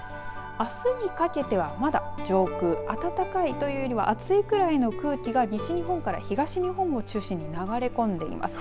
あすにかけてはまだ上空、暖かいというよりは暑いくらいの空気が西日本から東日本を中心に流れ込んでいます。